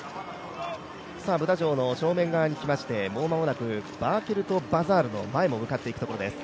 ブダ城の正面側に来まして、もう間もなくヴァールケルト・バザールに来たところです。